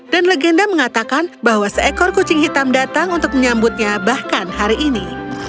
dan legenda mengatakan bahwa seekor kucing hitam datang untuk menyambutnya bahkan hari ini